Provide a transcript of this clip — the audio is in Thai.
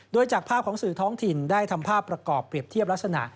โดยจากภาพของสื่อท้องถิ่นได้ทำภาพประกอบเปรียบเทียบลักษณะ